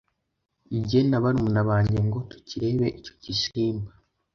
njye na barumuna bange ngo tukirebe icyo gisimba.